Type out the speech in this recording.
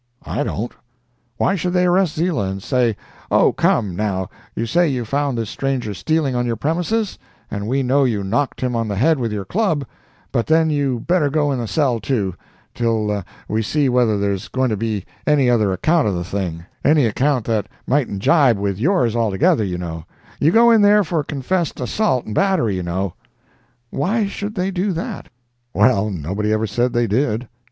I don't. Why should they arrest Ziele and say, "Oh, come, now, you say you found this stranger stealing on your premises, and we know you knocked him on the head with your club—but then you better go in a cell, too, till we see whether there's going to be any other account of the thing—any account that mightn't jibe with yours altogether, you know—you go in for confessed assault and battery, you know." Why should they do that? Well, nobody ever said they did.